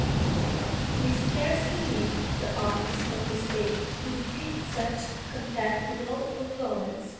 _We scarcely need the armies of the State to defeat such contemptible opponents.